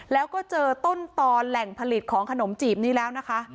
แล้วก็เจอต้นตอนแหล่งผลิตของขนมจีบนี้แล้วนะคะ